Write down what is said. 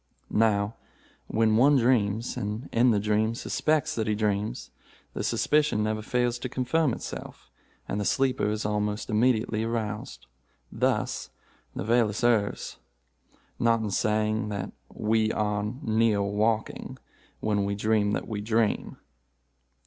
Now, when one dreams, and, in the dream, suspects that he dreams, the suspicion never fails to confirm itself, and the sleeper is almost immediately aroused. Thus Novalis errs not in saying that 'we are near waking when we dream that we dream.